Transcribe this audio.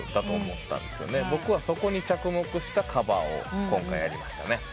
僕はそこに着目したカバーを今回やりましたね。